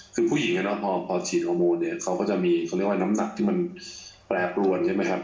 คือผู้หญิงนะพอพอฉีดออร์โมนเนี่ยเขาก็จะมีต่อนำนักที่มันแปรปลวนใช่ไหมครับ